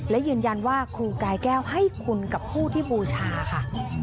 และยืนยันว่าครูกายแก้วให้คุณกับผู้ที่บูชาค่ะ